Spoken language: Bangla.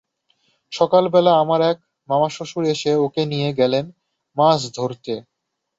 সকালবেলা আমার এক মামাশ্বশুর এসে ওকে নিয়ে গেলেন মাছ মারতে।